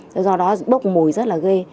thế do đó bốc mùi rất là ghê